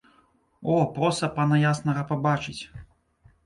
О, проса пана яснага пабачыць.